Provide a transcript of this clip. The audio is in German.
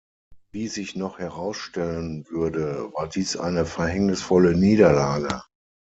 Wie sich noch herausstellen würde, war dies eine verhängnisvolle Niederlage.